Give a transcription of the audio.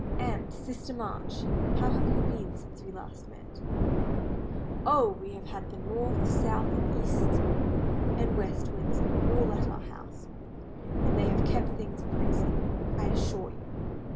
"And, Sister March, how have you been since we last met?" "Oh! we have had the North, South, East, and West Winds all at our house, and they have kept things breezy, I assure you.